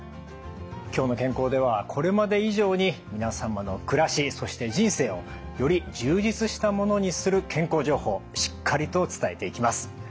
「きょうの健康」ではこれまで以上に皆様の暮らしそして人生をより充実したものにする健康情報しっかりと伝えていきます。